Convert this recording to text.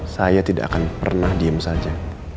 saya tidak akan pernah diem saja